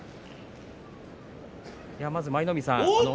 まず舞の海さん